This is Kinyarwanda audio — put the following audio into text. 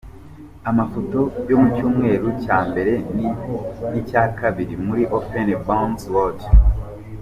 Amafoto yo mu cyumweru cya mbere n'icya kabiri muri Open Bond’s World.